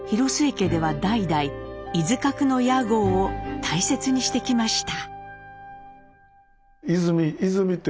家では代々「いずかく」の屋号を大切にしてきました。